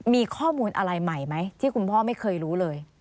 มีข้อมูลอะไรใหม่ไหมที่คุณพ่อไม่เคยรู้เลย